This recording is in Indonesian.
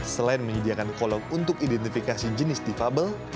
selain menyediakan kolom untuk identifikasi jenis difabel